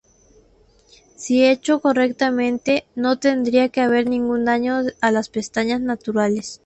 Si hecho correctamente, no tendría que haber ningún daño a las pestañas naturales.